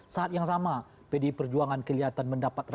saat yang sama pdi perjuangan kelihatan mendapat rekomendasi